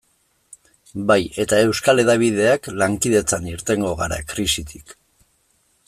Bai, eta euskal hedabideak lankidetzan irtengo gara krisitik.